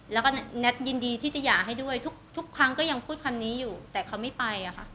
แล้วก็แน็ตยินดีที่จะหย่าให้ด้วยทุกครั้งก็ยังพูดคำนี้อยู่แต่เขาไม่ไปอะค่ะ